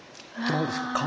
どうですか？